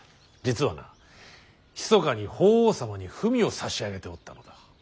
実はなひそかに法皇様に文を差し上げておったのだ。